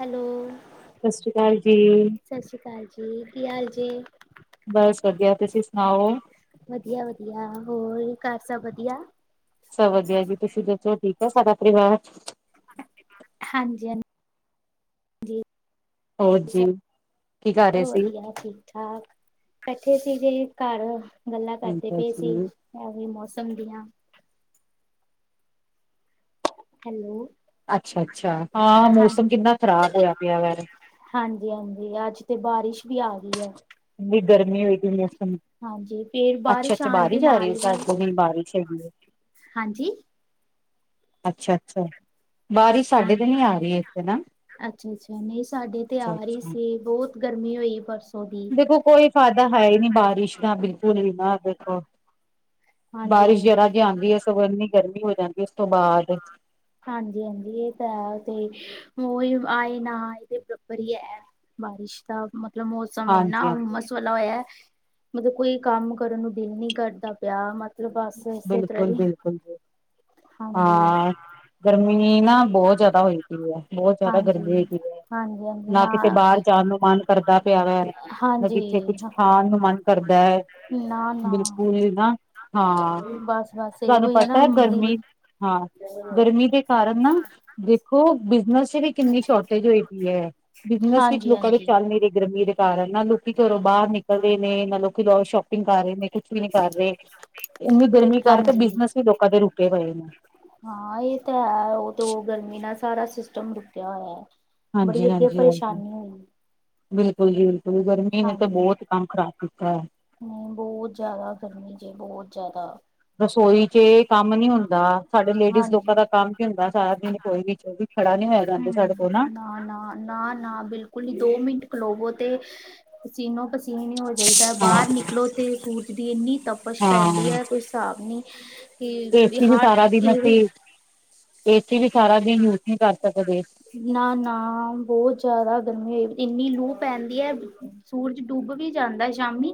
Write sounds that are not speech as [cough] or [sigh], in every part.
Hello! ਸਤਿ ਸ੍ਰੀ ਅਕਾਲ ਜੀ, ਸਤਿ ਸ੍ਰੀ ਅਕਾਲ ਜੀ, ਕੀ ਹਾਲ ਜੇ? ਬਸ ਵਧੀਆ, ਤੁਸੀਂ ਸੁਣਾਓ? ਵਧੀਆ-ਵਧੀਆ, ਹੋਰ ਘਰ ਸਭ ਵਧੀਆ? ਸਭ ਵਧੀਆ ਜੀ, ਤੁਸੀ ਦੱਸੋ ਠੀਕ ਆ ਸਾਰਾ ਪਰਿਵਾਰ? ਹਾਂਜੀ-ਹਾਂਜੀ। ਹੋਰ ਜੀ? ਕੀ ਕਰ ਬ ਰਹੇ ਸੀ? ਵਧੀਆ ਠੀਕ-ਠਾਕ, ਬੈਠੇ ਸੀ ਜੇ ਘਰ, ਗੱਲਾਂ ਕਰਦੇ ਠੀਕ ਹੈ ਪਏ ਸੀ। ਜੀ, ਐ, ਵੀ ਮੌਸਮ ਦੀਆਂ। ਹੈਲੋ! ਅੱਛਾ-ਅੱਛਾ, ਹਾਂ ਮੌਸਮ ਕਿਨਾ ਖਰਾਬ ਹੋਇਆ ਪਿਆ ਵੈ। ਹਾਂਜੀ-ਹਾਂਜੀ, ਆਜ ਤੇ ਬਾਰਿਸ਼ ਵੀ ਆ ਗਈ ਐ। ਰ ਭੀ, ਗਰਮੀ ਹੋਈ ਪਈ, ਮੌਸਮ ਅੱਛਾ-ਅੱਛਾ ਬਾਹਰ ਆ ਰਹੀ, ਸਾਡੇ ਕੋਲ ਵੀ ਬਾਰਿਸ਼ ਹੈਗੀ ਏ। ਹਾਂਜੀ? ਅਛਾ-ਅਛਾ। ਹਾਂਜੀ, ਅਛਾ-ਅਛਾ, ਨਹੀ ਸਾਡੇ ਤੇ ਆ ਰਹੀ ਅੱਛਾ-ਅੱਛਾ। ਸੀ। ਬਹੁਤ ਗਰਮੀ ਹੋਈ, ਪਰਸੋਂ ਦੀ। ਦੇਖੋ, ਕੋਈ ਫਾਇਦਾ ਹੈਹੀ ਨੀ, ਬਾਰਿਸ਼ ਦਾ ਬਿਲਕੁਲ ਵੀ ਨਾ ਬਿਲਕੁਲ ਬਾਰਿਸ਼ ਜਰਾ ਜੀ ਆਂਦੀ ਏ, ਸਗੋਂ ਇਨੀ ਗਰਮੀ ਹੋ ਜਾਂਦੀ ਏ, ਉਸ ਤੋਂ ਬਾਅਦ। ਹਾਂਜੀ-ਹਾਂਜੀ ਇਹ ਤਾਂ ਹੈ, ਤੇ ਓਹੀ ਆਏ, ਨਾ ਆਏ, ਇਹ ਬਰੋਬਰ ਹੀ ਹੈ। ਬਾਰਿਸ਼ ਦਾ, ਮਤਲਬ ਮੌਸਮ ਇੰਨਾ ਹਾਂਜੀ-ਹਾਂਜੀ, ਮ ਬਨਾ ਹੋਇਆ, ਮਤਲਬ ਕੋਈ ਕਮ ਕਰਨ ਨੂੰ ਦਿਲ ਨੀ ਕਰਦਾ ਪਿਆ, ਮਤਲਬ ਬ ਬਿਲਕੁਲ ਬਿਲਕੁਲ ਜੀ, ਹਾਂ ਗਰਮੀ ਵੀ ਨਾ ਬਹੁਤ ਜਿਆਦਾ ਹੋਈ। ਹੈ, ਬਹੁਤ ਜ਼ਿਆਦਾ ਗਰਮੀ ਹੈਗੀ ਹੈ, ਨਾ ਕਿਤੇ ਬਾਹਰ ਜਾਣ ਨੂੰ ਮਨ। ਕਰਦਾ ਪਿਆ ਵੈ, ਨਾ ਕਿਥੇ ਕੁਛ ਖਾਣ ਨੂੰ ਮਨ- ਕਰਦਾ ਹੈ, ਬਿਲਕੁਲ ਵੀ ਨਾ ਹਾਂ ਬਸ- ਬਸ- ਤੋਹਾਨੂੰ ਪਤਾ ਐ, ਗਰਮੀ ਹਾਂ ਗਰਮੀ- ਗਰਮੀ ਦੇ ਕਾਰਨ ਨਾ, ਦੇਖੋ ਬਿਜਨਸ ਚ ਵੀ ਕਿੰਨੀ ਸ਼ੋਰਟੇਜ ਹੋਈ ਪਈ ਹੈ, ਬਿਜਨਸ ਵਿੱਚ ਲੋਕਾਂ ਦੇ ਚੱਲ ਨਈ ਰੇ ਗਰਮੀ ਰੇ। ਘਾਰ ਐ, ਨਾ ਲੋਕੀ ਘਰੋਂ ਬਾਹਰ ਨਿਕਲ ਰਹੇ ਨੇ, ਨਾ ਲੋਕੀੋਂ ਸ਼ੋਪਿੰਗ ਕਰ ਰਹੇ ਨੇ ਨੀ ਕਰ ਰਹੇ, ਇਨੀ ਗਰਮੀ ਕਰਕੇ ਬਿਜਨਸ ਵੀ ਲੋਕਾਂ ਦੇ ਰੁਕੇ ਪਏ ਨੇ- ਹਾਂ ਇਹ ਤੇ ਹੈ। ਉਹ ਤੇ ਉਹ ਗਰਮੀ ਨਾਲ ਸਾਰਾ ਸਿਸਟਮ ਰੁਕਿਆ ਹੋਇਆ। ਬੜੀ ਹਾਂਜੀ ਅੱਗੇ ਹਾਂਜੀ ਹਾਂਜੀ ਪਰੇਸ਼ਾਨੀ ਹੋਈ- ਬਿਲਕੁਲ ਜੀ ਬਿਲਕੁਲ, ਗਰਮੀ ਨੇ ਤਾਂ ਬਹੁਤ ਕਮ ਖਰਾਬ ਕੀਤਾ ਹੈ। ਹੂ, ਬਹੁਤ ਜਿਆਦਾ ਗਰਮੀ ਜੇ, ਬਹੁਤ ਜਿਆਦਾ- ਰਸੋਈ ਚ ਕੰਮ ਨੀ ਹੁੰਦਾ, ਸਾਡੇ ਲੇਡੀਜ਼ ਲੋਕਾਂ ਦਾ ਕੰਮ ਕੀ ਹੁੰਦਾ, ਸਾਰਾ ਦਿਨ ਰਸੋਈ ਵਿੱਚ ਵੀ ਖੜਾ ਨੀ ਹੋਯਾ ਜਾਂਦਾਂ, ਸਾਡੇ ਕੋਲ ਨਾ ਨਾ, ਨਾ, ਨਾ, ਨਾ ਬਿਲਕੁਲ ਨੀ, ਦੋ ਮਿੰਟ ਖਲੋਵੋ ਤੇ ਪਸੀਨੋ। ਪਸੀਨੇ ਹੋ ਜਾਈ ਦਾ, ਬਾਹਰ ਹਾਂ ਨਿਕਲੋ ਤੇ ਸੂਰਜ ਦੀ ਇੰਨੀ ਤਪਸ਼ ਪੈਂਦੀ ਹੈ ਕੁਛ ਹਿਸਾਬ ਨ, ਕਿ ਬਿਹਾਰ ਇਹ ਏ ਸੀ ਵੀ, ਸਾਰਾ ਦਿਨ ਯੂਜ, ਨਹੀਂ ਕਰ ਸਕਦੇ। ਨਾ ਨਾ, ਬਹੁਤ ਜਿਆਦਾ ਗਰਮੀ ਏ, ਇੰਨੀ ਲੂਹ ਪੈਂਦੀ ਹੈ। ਸੂਰਜ ਡੁੱਬ, ਵੀ ਜਾਂਦਾ ਸ਼ਾਮੀ।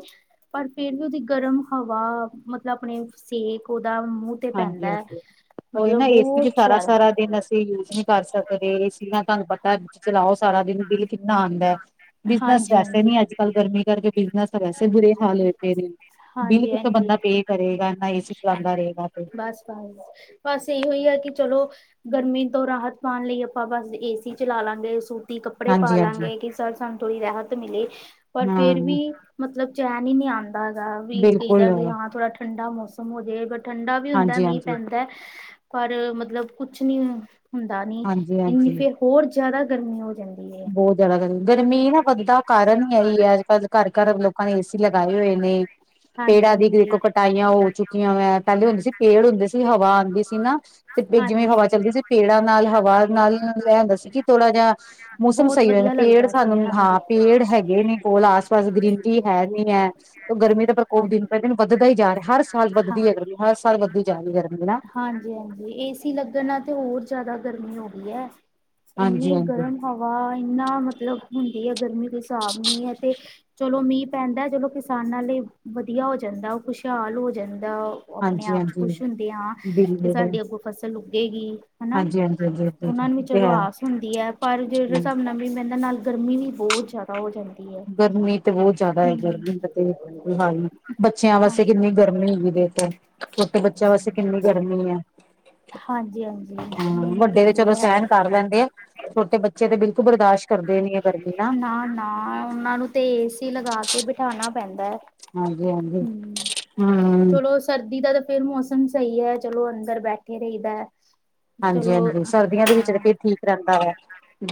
ਪਰ, ਫੇਰ ਵੀ ਉਹਦੀ, ਗਰਮ ਹਵਾ, ਮਤਲਬ ਆਪਣੇ ਸੇਕ ਉਹਦਾ ਮੂੰਹ। ਮੂੰਹ ਤੇ ਹਾਂਜੀ ਪੈਂਦਾ ਹੈ, ਹਾਂਜੀ ਉਹੀ ਨਾ ਮਤਲਬ ਏਸੀ ਬਹੁਤ [unintelligible] ਸਾਰਾ ਦਿਨ ਅਸੀਂ, ਯੂਜ ਨਹੀਂ ਕਰ ਸਕਦੇ, ਏ ਸੀ, ਨਾ ਤੁਹਾਨੂੰ ਪਤਾ ਚਲਾਓ ਸਾਰਾ ਦਿਨ, ਬਿਲ ਕਿੰਨਾ ਆਉਂਦਾ ਹੈ। ਬਿਜਨਸ, ਵੈਸੇ ਨੀ ਅੱਜ ਕੱਲ, ਗਰਮੀ ਕਰਕੇ, ਬਿਜਨਸ ਵੈਸੇ ਬੁਰੇ ਹਾਲ ਹੋ ਪਏ ਨੇ। ਬਿੱਲ ਕਿਥੋਂ ਬੰਦਾ ਪੇ ਕਰੇਂਗਾ, ਐਨਾ ਏ ਸੀ ਚਲਾਉਂਦਾ ਰਹੇਗਾ। ਤੇ ਬਸ ਬਸ ਬਸ, ਬਸ ਏਹੀ ਆ ਕਿ ਚਲੋ। ਗਰਮੀ ਤੋਂ ਰਾਹਤ ਪਾਉਣ ਲਈ ਆਪਾਂ, ਬਸ ਏ ਸੀ ਚਲਾ ਲਾਂਗੇ ਸੂ। ਕੱਪੜੇ ਪਾ ਹਾਂਜੀ ਹਾਂਜੀ ਲਾਂਗੇ, ਕਿ ਸਰ ਸਾਨੂੰ ਥੋੜ੍ਹੀ ਰਾਹਤ ਮਿਲੇ, ਪਰ ਹਾਂ ਫੇਰ ਵੀ ਮਤਲਬ ਚੈਨ ਹੀ ਨਹੀਂ ਆਉਂਦਾ ਹੈਗਾ, ਵੀ ਕਹੀ ਬਿਲਕੁਲ ਦਾ ਵੀ ਹਾਂ ਥੋੜਾ ਠੰਡਾ ਮੌਸਮ ਹੋ ਜਾਵੇ ਬਟ ਠੰਡਾ ਵੀ ਹੁੰਦਾ, ਹਾਂਜੀ ਮੀਂਹ ਹਾਂਜੀ ਪੈਂਦਾ ਪਰ ਮਤਲਬ ਕੁਛ ਨੀ ਹੁੰਦਾ ਨੀ, ਹਾਂਜੀ ਇਨੀ ਹਾਂਜੀ ਫੇਰ ਹੋਰ ਜਿਆਦਾ ਗਰਮੀ ਹੋ ਜਾਂਦੀ ਹੈ। ਬਹੁਤ ਜ਼ਿਆਦਾ ਗਰਮੀ, ਗਰਮੀ ਨਾ ਵਧਦਾ ਕਾਰਨ ਹੀ ਆ ਹੀ ਹੈ, ਅੱਜ ਕੱਲ ਘਰ- ਘਰ ਲੋਕਾਂ ਨੇ ਏ ਸੀ ਲਗਾਏ ਹੋਏ ਨੇ। ਪੇੜਾਂ ਦੀ ਦੇਖੋ ਕਟਾਈਆਂ ਹੋ ਚੁੱਕੀਆਂ ਵੇ, ਪਹਿਲੇ ਹੁੰਦੇ ਸੀ ਪੇੜ ਹੁੰਦੇ ਸੀ ਹਵਾ ਦੀ ਸੀ ਨਾ। ਤੇ ਜਿਵੇਂ ਹਵਾ ਚੱਲਦੀ ਸੀ, ਪੇੜਾਂ ਨਾਲ ਹਵਾ ਨਾਲ ਲੈ ਆਂਦਾ ਸੀ ਕਿ ਥੋੜ੍ਹਾ ਜਿਹਾ ਮੌਸਮ ਸਹੀ ਰਹਿੰਦਾ, ਪੇੜ ਸਾਨੂੰ ਹਾਂ ਪੇ ਪੇੜ ਹੈਗੇ ਨੇ ਕੋਲ ਆਸ ਪਾਸ ਗ੍ਰੀਨਰੀ ਹੈ ਨੀ ਹੈ, ਤੇ ਗਰਮੀ ਦਾ ਪ੍ਰਕੋਪ ਦਿਨ ਪ ਦਿਨ ਵੱਧਦਾ ਹੀ ਜਾ ਰਿਹਾ, ਹਰ ਸਾਲ ਵੱਧਦੀ ਹੈ ਗਰਮੀ, ਹਰ ਸਾਲ ਵੱਧਦੀ ਜਾ ਰਹੀ ਹੈ ਗਰਮੀ ਹੈਨਾ। ਹਾਂਜੀ- ਹਾਂਜੀ ਏ ਸੀ ਲੱਗਣ ਨਾਲ ਤੇ ਹੋਰ ਜ਼ਿਆਦਾ ਗਰਮੀ ਹੋ ਗਈ ਹੈ, ਹਾਂਜੀ ਇੰਨੀ ਹਾਂਜੀ ਗਰਮ ਹਵਾ, ਇੰਨਾ ਮਤਲਬ ਹੁੰਦੀ ਹੈ ਗਰਮੀ ਕੋਈ ਹਿਸਾਬ ਨਹੀਂ ਹੈ ਤੇ ਚਲੋ ਮੀਂਹ ਪੈਂਦਾ, ਚਲੋ ਕਿਸਾਨਾਂ ਲਈ ਵਧੀਆ ਹੋ ਜਾਂਦਾ, ਖੁਸ਼ਹਾਲ ਹੋ ਜਾਂਦਾ ਓ। ਉਹ ਆਪਣੇ ਆਪ 'ਚ ਖੁਸ਼ ਹਾਂਜੀ-ਹਾਂਜੀ ਹੁੰਦੇ ਹਾਂ, ਕਿ ਬਿਲਕੁਲ ਸਾਡੀ ਅੱਗੋਂ ਫਸਲ ਉੱਗੇਗੀ। ਹੈਨਾ, ਹਾਂਜੀ-ਹਾਂਜੀ-ਹਾਂਜੀ ਉਹਨਾਂ ਨੂੰ ਵੀ ਤੇ ਚਲੋ ਹੈ ਆਸ ਹੁੰਦੀ ਹੈ, ਪਰ ਜਿਹੜੇ ਹਿਸਾਬ ਨਾਲ ਵੀ ਮੈਂ ਇਹਦੇ ਨਾਲ ਗਰਮੀ ਵੀ ਬਹੁਤ ਜਿਆਦਾ ਹੋ ਜਾਂਦੀ ਹੈ। ਗਰਮੀ ਤੇ ਬਹੁਤ ਜ਼ਿਆਦਾ ਹੈ ਗਰਮੀ ਤੇ ਕੋਈ ਹਾਲ ਨਹੀ, ਬੱਚਿਆਂ ਵਾਸਤੇ ਕਿੰਨੀ ਗਰਮੀ ਹੈਗੀ ਇਥੇ ਛੋਟੇ ਬੱਚਿਆਂ ਵਾਸਤੇ ਕਿੰਨੀ ਗਰਮੀ ਐ। ਹੂੰ, ਵੱਡੇ ਤੇ ਚਲੋ ਸਹਿਣ ਕਰ ਲੈਂਦੇ ਆ। ਛੋਟੇ ਬੱਚੇ ਤੇ ਬਿਲਕੁਲ ਬਰਦਾਸ਼ਤ ਕਰਦੇ ਨੀ ਹੈ ਗਰਮੀ ਨਾ ਨਾ-ਨਾ ਉਹਨਾਂ ਨੂੰ ਤੇ ਏਸੀ ਲਗਾ ਕੇ ਬਿਠਾਣਾ ਪੈਂਦਾ ਏ, ਹਾਂਜੀ-ਹਾਂਜੀ ਹਮ ਚਲੋ ਸ ਸਰਦੀ ਦਾ ਤਾਂ ਫਿਰ ਮੌਸਮ ਸਹੀ ਐ, ਚਲੋ ਅੰਦਰ ਬੈਠੇ ਰਹੀਦਾ। ਹਾਂਜੀ-ਹਾਂਜੀ ਸਰਦੀਆਂ ਦੇ ਵਿੱਚ ਤਾਂ ਫਿਰ ਠੀਕ ਰਹਿੰਦਾ ਵੇ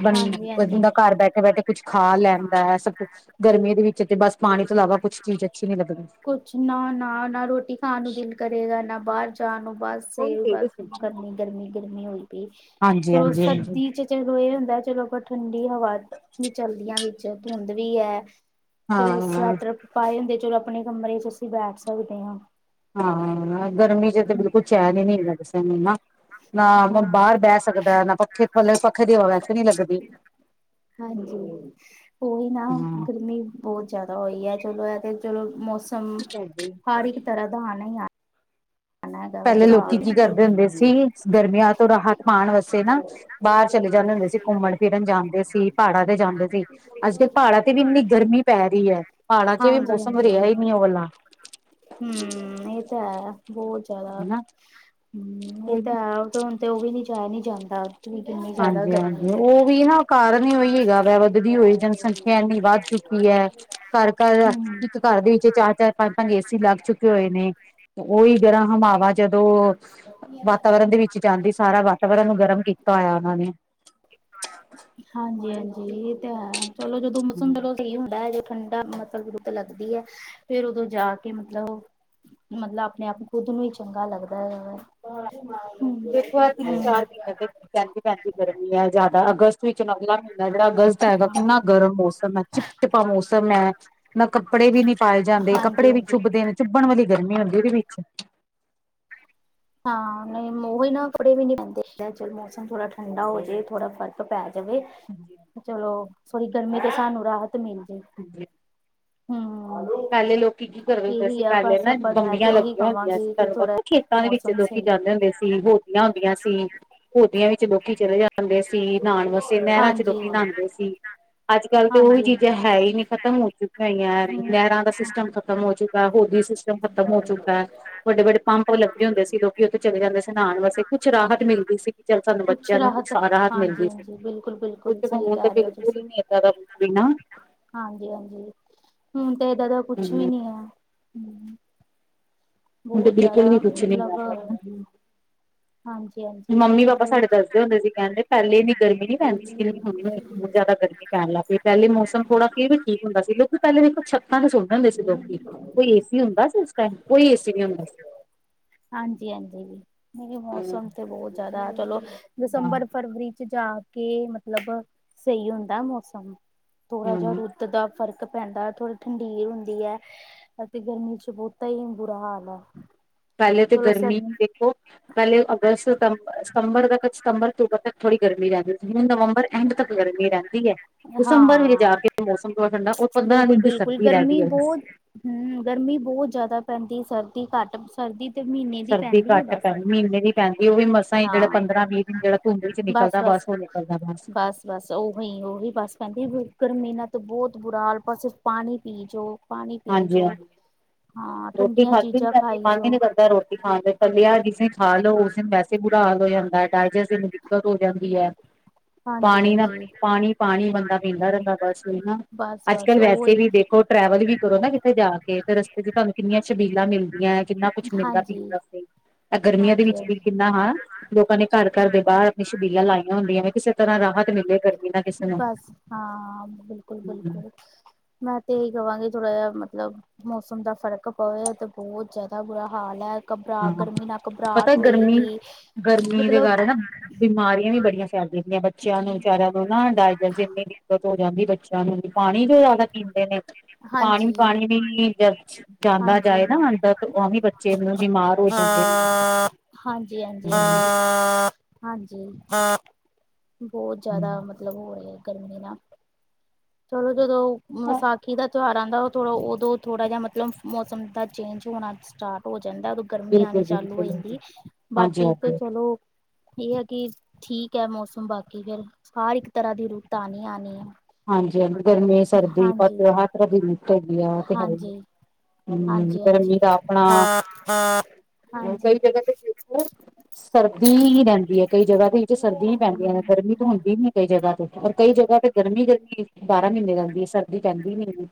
ਬੰ ਬੰਦਾ ਘਰ ਬੈਠੇ-ਬੈਠੇ ਕੁਛ ਖਾ ਲੈਂਣਦਾ ਐ ਸਭ ਕ, ਗਰਮੀ ਦੇ ਵਿੱਚ ਤੇ ਬਸ ਪਾਣੀ ਤੋਂ ਇਲਾਵਾ ਕੁਛ ਚੀਜ਼ ਅੱਛੀ ਨੀ ਲੱਗਦੀ। ਕੁਛ ਨਾ-ਨਾ, ਨਾ ਰੋਟੀ ਖਾਣ ਨੂੰ ਦਿਲ ਕਰੇਗਾ, ਨਾ ਬਾਰ ਜਾਣ ਨੂੰ ਬਸ। ਵੀ ਬਸ ਲੱਗਦੀ ਗਰਮੀ-ਗਰਮੀ-ਗਰਮੀ ਕਿੰਨੇ ਹੋਈ ਪਈ ਹਾਂਜੀ ਚਲੋ ਹਾਂਜੀ ਹਾਂਜੀ ਸਰਦੀ ਚ- ਚਲੋ ਏ ਹੁੰਦਾ ਚਲੋ ਆਪਾਂ ਠੰਡੀ ਹਵਾ ਵੀ ਚਲਦੀਆਂ ਵਿੱਚ ਧੁੰਦ ਵੀ ਐ। ਚਲੋ ਹਾਂ ਸਵੈਟਰ ਪਾਏ ਹੁੰਦੇ ਚਲੋ ਆਪਣੇ ਕਮਰੇ ਚ ਅਸੀਂ ਬੈਠ ਸਕਦੇ ਆਂ। ਹਾਂ ਗਰਮੀ ਚ ਤੇ ਬਿਲਕੁਲ ਚੈਨ ਈ ਨੀ ਹੈਗਾ ਕਿਸੇ ਨੂੰ ਨਾ- ਨਾ ਬਾਰ ਬੈ ਸਕਦਾ, ਨਾ ਪੱਖੇ, ਪੱਖੇ ਦੀ ਹਵਾ ਵੈਸੇ ਨੀ ਲੱਗਦੀ। ਹਾਂਜੀ, ਓਈ ਨਾ ਹਾਂ ਗਰਮੀ ਬੋਤ ਜਾਦਾ ਹੋਈ ਐ, ਚਲੋ ਐ ਤੇ ਚਲੋ ਮੌਸਮ ਹਰ ਇੱਕ ਤਰ੍ਹਾਂ ਦਾ ਆਣਾ ਈ ਆਣਾ। ਮੈਂ ਪੈਲੇ ਲੋਕੀ ਕੀ ਕਰਦੇ ਹੁੰਦੇ ਸੀ, ਗਰਮੀਆਂ ਤੋਂ ਰਾਹਤ ਪਾਣ ਵਾਸੇ ਨਾ। ਬਾਰ ਚਲੇ ਜਾਂਦੇ ਹੁੰਦੇ ਸੀ, ਘੁੰਮਣ ਫਿਰਨ ਜਾਂਦੇ ਸੀ, ਪਾੜਾਂ ਤੇ ਜਾਂਦੇ ਸੀ। ਅੱਜ-ਕੱਲ੍ਹ ਪਾੜਾਂ ਤੇ ਵੀ ਏਨੀ ਗਰਮੀ- ਪੈ ਰੀ ਐ। ਪਾੜਾਂ ਚ ਵੀ ਮੌਸਮ ਰਿਆ ਈ ਨੀ ਓ ਵਲਾ। ਹੂੰ ਇਹ ਤਾ ਹੈ ਬਹੁਤ ਜ਼ਿਆਦਾ, ਹਨਾ ਹੂੰ ਇਹ ਤਾ ਹੁਣ ਤੇ ਉਹ ਵੀ ਨੀ ਜਾਇਆ ਨੀ ਜਾਂਦਾ। ਹਾਂਜੀ- ਹਾਂਜੀ, ਉਹ ਵੀ ਨਾ ਕਾਰਨ ਹੀ ਉਈ ਹੈਗਾ ਵਾ, ਵਧਦੀ ਹੋਈ ਜਨਸੰਖਿਆ ਇੰਨੀ ਵੱਧ ਚੁੱਕੀ ਐ। ਘਰ -ਘਰ [unintelligible] ਘਰ ਦੇ ਵਿੱਚ ਚਾਰ-ਚਾਰ, ਪੰਜ-ਪੰਜ ਏ ਸੀ ਲੱਗ ਚੁੱਕੇ ਹੋਏ ਨੇ, ਉਹੀ ਗਰਮ ਹਵਾਵਾਂ ਜਦੋਂ ਵਾਤਾਵਰਨ ਵਿੱਚ ਜਾਂਦੀ, ਸਾਰਾ ਵਾਤਾਵਰਨ ਨੂੰ ਗਰਮ ਕੀਤਾ ਹੋਇਆ ਉਹਨਾਂ ਨੇ ਹਾਂਜੀ- ਹਾਂਜੀ ਇਹ ਤੇ ਹੈ, ਚਲੋ ਜਦੋਂ ਮੌਸਮ ਜਦੋਂ ਸਹੀ ਹੁੰਦਾ ਹੈ ਜੇ ਠੰਡਾ ਮੈਨੂੰ ਤੇ ਲੱਗਦੀ ਹੈ ਫੇਰ ਉਦੋਂ ਜਾ ਕੇ ਮਤਲਬ ਮਤਲਬ ਆਪਣੇ ਆਪ ਨੂੰ ਖੁੱਦ ਨੂੰ ਹੀ ਚੰਗਾ ਲੱਗਦਾ ਵੇ। [unintelligible] ਪਹਿੰਦੀ-ਪਹਿੰਦੀ ਗਰਮੀ ਐ ਜ਼ਿਆਦਾ, ਅਗਸਤ ਵਿੱਚ [unintelligible] ਪੰਦਰਾਂ ਅਗਸਤ ਹੈਗਾ, ਕਿੰਨਾ ਗਰਮ ਮੌਸਮ ਐ ਚਿਪ ਚਿਪਾ ਮੌਸਮ ਐ। ਨਾ ਕੱਪੜੇ ਵੀ ਨੀ ਪਾਏ ਜਾਂਦੇ, ਕੱਪੜੇ ਵੀ ਚੁਭਦੇ ਨੇ ਚੁੱਭਣ ਵਾਲੀ ਗਰਮੀ ਹੁੰਦੀ, ਉਹਦੇ ਵਿੱਚ ਹਾਂ, ਨੀ ਉਹੀ ਨਾ ਕੱਪੜੇ ਵੀ ਨੀ ਪੈਂਦੇ ਚਲ ਮੌਸਮ ਥੋੜਾ ਠੰਡਾ ਹੋ ਜੇ ਥੋੜਾ ਫਰਕ ਪੈ ਜਵੇ। ਹਾਂਜੀ-ਹਾਂਜੀ ਚਲੋ ਥੋੜੀ ਗਰਮੀ ਤੇ ਸਾਨੂੰ ਰਾਹਤ ਮਿਲ ਜੇ। [inaudible] ਪੈਲੇ ਲੋਕੀ ਕੀ ਕਰ ਹੁੰਦੇ ਸੀ ਪੈਲੇ ਨਾ ਬੰਬੀਆਂ ਲੱਗੀਆਂ ਹੁੰਦੀਆਂ ਸੀ। ਤਾਨੂੰ ਪਤਾ? ਖੇਤਾਂ ਵਿੱਚ ਲੋਕੀ ਜਾਂਦੇ ਹੁੰਦੇ ਸੀ। ਹੋਦੀਆਂ ਹੁੰਦੀਆਂ ਸੀ। ਹੋਦੀਆਂ ਵਿੱਚ ਲੋਕੀ ਚਲੇ ਜਾਂਦੇ ਸੀ ਨਾਣ ਵਾਸਤੇ, ਨਹਿਰਾਂ ਚ ਲੋਕੀ ਨਾਂਦੇ ਸੀ। ਅੱਜ-ਕੱਲ੍ਹ ਤੇ ਓਈ ਚੀਜ਼ਾਂ ਹੈ ਈ ਨੀ ਖ਼ਤਮ ਹੋ ਚੁੱਕੀਆਂ ਹੋਈਆਂ ਐ। ਦਾ ਸਿਸਟਮ ਖਤਮ ਹੋ ਚੁੱਕਾ। ਹੋਦੀ ਸਿਸਮ- ਖ਼ਤਮ ਹੋ ਚੁੱਕਾ ਐ। ਵੱਡੇ-ਵੱਡੇ ਪੰਪ ਲੱਗੇ ਹੁੰਦੇ ਸੀ। ਲੋਕੀ ਓਥੇ ਚਲੇ ਜਾਂਦੇ ਸੀ ਨਾਣ ਵਾਸੇ ਕੁਛ ਰਾਹਤ ਮਿਲਦੀ ਸੀ। ਚੱਲ ਸਾਨੂੰ ਬੱਚਿਆਂ ਨੂੰ ਸ ਰਾਅਤ ਮਿਲਦੀ ਸੀ। ਕੁਛ ਤੇ ਹੁਣ ਤੇ ਬਿਲਕੁਲ ਈ ਨੀ- ਜ਼ਾਦਾ ਵੀ ਨਾ- ਹਾਂਜੀ-ਹਾਂਜੀ, ਹੁਣ ਤੇ ਏਦਾਂ ਦਾ ਕੁਛ ਵੀ ਹਮ ਨੀ ਐ। ਹੁਣ ਤੇ ਬੋਤ ਜਾਦਾ ਬਿਲਕੁਲ ਵੀ ਕੁਛ ਨੀ ਮਤਲਬ ਹੈਗਾ ਮੰਮੀ ਪਾਪਾ ਸਾਡੇ ਦੱਸਦੇ ਹੁੰਦੇ ਸੀ ਕੇਂਦੇ ਪੈਲੇ ਏਨੀ ਗਰਮੀ ਨੀ ਪੈਂਦੀ ਸੀ। ਜਿਨੀ ਹੁਣ ਹੁੰਦੀ ਬੋਤ ਜਾਦਾ ਗਰਮੀ- ਪੈਣ ਲੱਗ ਪਈ, ਪੈਲੇ ਮੌਸਮ ਥੋੜਾ ਫਿਰ ਵੀ ਠੀਕ ਹੁੰਦਾ ਸੀ। ਲੋਕੀ ਪੈਲੇ ਦੇਖੋ ਛਤਾਂ ਤੇ ਸੋਣਦੇ ਹੁੰਦੇ ਸੀ ਲੋਕੀ। ਕੋਈ ਏ ਸੀ- ਹੁੰਦਾ ਸੀ ਉਸ ਟੈਮ, ਕੋਈ ਏ ਸੀ ਨੀ ਹੁੰਦਾ ਸੀ। ਹਾਂਜੀ-ਹਾਂਜੀ, ਨਈ ਸੀ ਮੌਸਮ ਤੇ ਬੋਤ ਜ਼ਾਦਾ ਚਲੋ। ਹਾਂ ਦਸੰਬਰ, ਫਰਵਰੀ ਚ ਜਾ ਕੇ ਮਤਲਬ ਸਈ ਹੁੰਦਾ ਮੌਸਮ। ਥੋਰਾ ਜਿਆ ਹਮ ਰੁੱਤ ਚ ਫ਼ਰਕ ਪੈਂਦਾ ਥੋੜੀ ਠੰਡੀਰ ਹੁੰਦੀ ਐ। ਅਤੇ ਗਰਮੀ 'ਚ ਬੋਤਾ ਈ ਬੁਰਾ ਹਾਲ ਆ। ਪੈਲੇ ਤੇ ਗਰਮੀ ਵੀ- ਪੈਲੇ ਅਗਸਤ, ਸਤੰਬਰ, ਸਤੰਬਰ ਤੱਕ ਸਤੰਬਰ ਅਕਤੂਬਰ ਤੱਕ ਥੋਰੀ ਗਰਮੀ ਰੇਂਦੀ ਸੀ, ਹੁਣ ਨਵੰਬਰ ਐਂਡ ਤੱਕ ਗਰਮੀ ਰੇਂਦੀ ਐ। ਦਸੰਬਰ ਵਿੱਚ ਜਾ ਕੇ ਮੌਸਮ ਥੋੜਾ ਠੰਡਾ ਓ ਪੰਦਰਾਂ ਦਿਨ ਦੀ ਸਰਦੀ ਰੈ ਗਈ ਐ, ਬਸ ਹੂੰ, ਗਰਮੀ ਬੋਤ ਜਾਦਾ ਪੈਂਦੀ ਸਰਦੀ ਘੱਟ ਸਰਦੀ ਤੇ ਮੀਨੇ ਸਰਦੀ ਘੱਟ ਪੈਂਦੀ ਮੀਨੇ ਦੀ ਪੈਂਦੀ, ਓ ਵੀ ਮਸਾਂ ਹੀ ਜੇੜਾ ਪੰਦਰਾਂ ਵੀਹ ਜਿਹੜਾ ਧੁੰਦ ਚ ਨਿਕਲਦਾ ਬਸ ਉਹ ਨਿਕਲਦਾ ਬਸ। ਬਸ ਉਹੀ-ਉਹੀ ਬਸ ਕਹਿੰਦੀ, ਗਕਰਮੀਨਾ ਤਾਂ ਬਹੁਤ ਬੁਰਾ ਹਾਲ ਪਸੂ ਪਾਣੀ ਪੀ ਜੋ ਓ। ਪਾਣੀ ਪੀ ਹਾਂਜੀ ਜਾਉ, ਹਾਂਜੀ ਹਾਂ ਰੋਟੀ ਠੰਡੀਆਂ ਖਾਧੀ ਨੀ ਚੀਜ਼ਾਂ ਜਾਂਦੀ ਖਾਈ ਮਨ ਹੀ ਜਾਓ। ਨੀ ਕਰਦਾ ਰੋਟੀ ਖਾ ਤੱਲਿਆ ਜਿਸੇ ਖਾਲੋ, ਉਸ ਦਿਨ ਵੈਸੇ ਬੁਰਾ ਹਾਲ ਹੋ ਜਾਂਦਾ ਹੈ, ਡਾਇਜਸਟ ਦਿੱਕਤ ਹੋ ਜਾਂਦੀ ਹੈ। ਪਾਣੀ ਦਾ ਪਾਣੀ-ਪਾਣੀ ਬੰਦਾ ਪੀਂਦਾ ਰਹਿੰਦਾ ਬਸ ਨਾ ਅੱਜ ਕੱਲ ਵੈਸੇ ਵੀ ਦੇਖ। ਟਰੈਵਲ ਵੀ ਕਰੋ, ਨਾ ਕਿਥੇ ਜਾ ਕੇ ਤੇ ਤੇ ਜੇ ਤੁਹਾਨੂੰ ਕਿੰਨੀਆਂ ਸ਼ਬੀਲਾਂ ਮਿਲਦੀਆਂ, ਕਿੰਨਾ ਕੁਛ ਮਿਲਦਾ ਪੀਣ ਵਾਸਤੇ। ਤਾਂ ਗਰਮੀਆਂ ਦੇ ਵਿੱਚ ਵੀ ਕਿੰਨਾ ਹਾਂ, ਲੋਕਾਂ ਨੇ ਘਰ ਘਰ ਦੇ ਬਾਹਰ ਆਪਣੀ ਸ਼ਬੀਲਾਂ ਲਾਈਆਂ ਹੁੰਦੀਆਂ ਕਿਸੇ ਤਰ੍ਹਾਂ ਰਾਹਤ ਮਿਲੇ ਗਰਮੀ ਨਾਲ ਕਿਸੇ ਨੂੰ ਬਸ ਹਾਂ ਬਿਲਕੁਲ, ਬਿਲਕੁਲ। ਮੈਂ ਤੇ ਇਹੀ ਕਹਾਂਗੀ, ਥੋੜ੍ਹਾ ਜਿਹਾ ਮਤਲਬ। ਮੌਸਮ ਦਾ ਫ਼ਰਕ ਪਵੇ ਤੇ ਬਹੁਤ ਜਿਆਦਾ ਬੁਰਾ ਹਾਲ ਹੈ। ਘਬਰਾਹ ਹਾਂ ਗਰਮੀ ਨਾਲ ਪਤਾ ਘਬਰਾਹਟ ਗਰਮੀ ਹੋਏਗੀ, ਗਰਮੀ ਮਤਲਬ ਚੱਲਦੀਆਂ ਬੱਚਿਆਂ ਨੂੰ [unintelligible] ਦਿੱਕਤ ਹੋ ਜਾਂਦੀ ਬੱਚਿਆਂ ਨੂੰ ਵੀ ਪਾਣੀ ਜੋ ਜ਼ਿਆਦਾ ਪੀਂਦੇ ਨੇ, ਪਾਣੀ-ਪਾਣੀ ਵੀ ਜਦ ਜਾਂਦਾ ਜਾਏ, ਨਾ ਅੰਦਾ ਉਹ ਵੀ ਬੱਚੇ ਨੂੰ ਬਿਮਾਰ ਹੋ ਹਾਂ, ਜਾਂਦੇ ਨੇ ਹਾ। ਹਾਂਜੀ, ਹੂੰ, ਬਹੁਤ ਜ਼ਿਆਦਾ ਮਤਲਬ ਹੋ ਰਹੇ ਗਰਮੀ ਨਾਲ ਚਲੋ ਜਦੋਂ, ਵਿਸਾਖੀ ਦਾ- ਤਿਉਹਾਰਾਂ ਦਾ ਉਹ ਥੋੜਾ ਉਦੋਂ ਥੋੜਾ ਜਿਹਾ ਮਤਲਬ, ਮੌਸਮ ਦਾ ਚੇਂਜ ਹੋਣਾ ਸਟਾਰਟ ਹੋ ਜਾਂਦਾ ਉਦੋਂ ਗਰਮੀ ਬਿਲਕੁਲ ਆਉਣੀ ਚਾਲੂ ਹੋ ਬਿਲਕੁਲ ਜਾਂਦੀ, ਹਾਂਜੀ ਬਾਕੀ ਤਾਂ ਹਾਂਜੀ ਚਲੋ ਇਹ ਹੈ ਕਿ ਠੀਕ ਹੈ, ਮੌਸਮ ਬਾਕੀ ਫੇਰ ਹਰ ਇੱਕ ਤਰ੍ਹਾਂ ਦੀ ਰੁਤਾਂ ਆਉਣੀ ਨੈ। ਹਾਂਜੀ-ਹਾਂਜੀ, ਗਰਮੀ-ਸਰਦੀ ਪਤ ਹਰ ਤਰ੍ਹਾਂ ਰੀਤ ਹੈਗੀ ਆ। ਤੇ ਹੈ ਹੀ ਹਾਂਜੀ। ਹਮ ਹਾਂ-ਹਾਂ, ਗਰਮੀ ਦਾ ਆਪਣਾ ਕਈ ਹਾਂਜੀ। ਜਗ੍ਹਾ ਤੇ ਸਰਦੀ ਰਹਿੰਦੀ ਹੈ। ਕਈ ਜਗ੍ਹਾ ਤੇ ਵਿੱਚ ਸਰਦੀਆਂ ਹੀ ਪੈਂਦੀਆਂ, ਨੇ ਗਰਮੀ ਤਾਂ ਹੁੰਦੀ ਨੀ ਕਈ ਜਗ੍ਹਾ ਤੇ ਔਰ ਕਈ ਜਗ੍ਹਾ ਤੇ। ਗਰਮੀ-ਗਰਮੀ ਬਾਰਾਂ ਮਹੀਨੇ ਲਗਦੀ ਹੈ, ਸਰਦੀ ਪੈਂਦੀ ਨੀ ਹੁੰਦੀ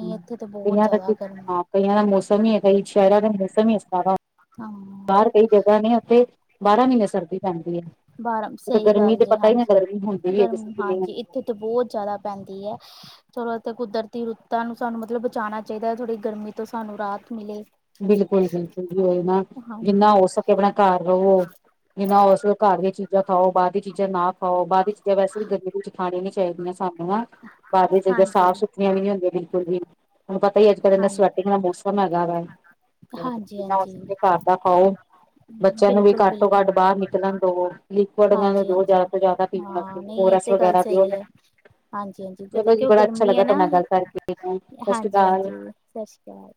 [unintelligible] ਦਾ ਮੌਸਮੀ ਹੈ ਕਈ ਸ਼ਹਿਰ ਦਾ ਮੌਸਮੀ। ਬਾਹਰ ਕਈ ਜਗ੍ਹਾ ਨੇ ਉੱਥੇ ਬਾਰਾਂ ਮਹੀਨੇ ਸਰਦੀ ਪੈਂਦੀ ਹੈ। ਬਾਰ ਸਹੀ ਗਰਮੀ ਗੱਲ ਤੇ ਜੇ ਪਤਾ ਹੀ ਨਾ ਗਰਮੀ ਹਾਂਜੀ, ਹੁੰਦੀ ਵੀ ਹੈ ਗਰਮ ਕਿਸੇ ਦੀ ਨਹੀਂ ਹਾਂਜੀ ਹੁੰਦੀ ਇੱਥੇ ਤਾਂ ਬਹੁਤ ਜਿਆਦਾ ਪੈਂਦੀ ਹੈ। ਚਲੋ ਕੁਦਰਤੀ ਰੁੱਤਾਂ ਨੂੰ ਸਾਨੂੰ ਮਤਲਬ ਬਚਾਉਣਾ ਚਾਹੀਦਾ, ਥੋੜ੍ਹੀ ਗਰਮੀ ਤੋਂ ਸਾਨੂੰ ਰਾਹਤ ਮਿਲੇ। ਬਿਲਕੁਲ-ਬਿਲਕੁਲ, ਜੀ ਓਹੀ ਨਾ ਜਿੰਨਾ ਹੋ ਸਕੇ, ਆਪਣਾ ਘਰ ਰਵੋ। ਜਿੰਨਾ ਉਹ ਅਸਲ ਘਰ ਦੀਆਂ ਚੀਜ਼ਾਂ ਖਾਓ, ਬਾਹਰ ਦੀ ਚੀਜ਼ਾਂ ਨਾ ਖਾਓ, ਬਾਹਰ ਦੀ ਚੀਜ਼ਾਂ ਵੈਸੇ ਵੀ ਗਰਮੀ ਵਿੱਚ ਖਾਣੀ ਨੀ ਚਾਹੀਦੀਆਂ, ਸਾਨੂੰ ਨਾ ਬਾਹਰ ਦੀ ਜਗ੍ਹਾ ਸਾਫ਼ ਸੁਥਰੀਆਂ ਨੀ ਹੁੰਦੀਆਂ ਬਿਲਕੁਲ ਵੀ। ਤੁਹਾਨੂੰ ਪਤਾ ਹੀ ਅੱਜ-ਕੱਲ੍ਹ ਇਨਾ ਸਵੈਟਿੰਗ ਦਾ ਮੌਸਮ ਹੈਗਾ, ਵੈ। ਬਿ ਉਸ ਤੇ ਘਰ ਦਾ ਪਾਓ, ਬੱਚਿਆਂ ਨੂੰ ਵੀ ਘੱਟੋ-ਘੱਟ ਬਾਹਰ ਨਿਕਲਣ ਦੋ। ਜੋ ਜ਼ਿਆਦਾ ਤੋਂ ਜ਼ਿਆਦਾ ਪੀ ਓਰਸ ਵਗਰਾ ਹਾਂਜੀ, ਹਾਂਜੀ ਪਤਾ ਕਿਉ ਗਰਮੀ ਹੈ ਨਾ ਤੁਹਾਡੇ ਨਾਲ ਗੱਲ ਕਰਕੇ ਸਤਿ ਸ਼੍ਰੀ ਹਾਂਜੀ, ਅਕਾਲ ਹਾਂਜੀ, ਸਤਿ ਸ੍ਰੀ ਅਕਾਲ।